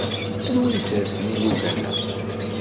Anwa isersen ilugan-a?